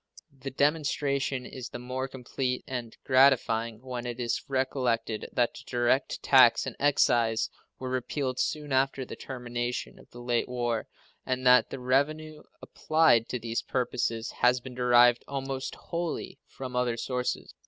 The demonstration is the more complete and gratifying when it is recollected that the direct tax and excise were repealed soon after the termination of the late war, and that the revenue applied to these purposes has been derived almost wholly from other sources.